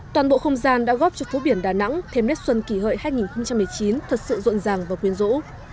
toàn bộ không gian đã góp cho phố biển đà nẵng thêm nét xuân kỳ hợi hai nghìn một mươi chín thật sự rộn ràng và quyên rũ